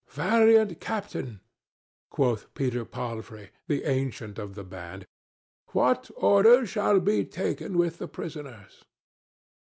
"Valiant captain," quoth Peter Palfrey, the ancient of the band, "what order shall be taken with the prisoners?"